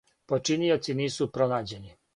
Починиоци нису пронађени.